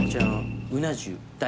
うな重大。